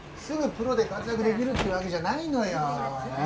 すぐプロで活躍できるってわけじゃないのよ。